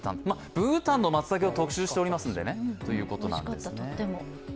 ブータンの松茸を特集しておりますのでねということですね。